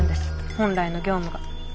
本来の業務が。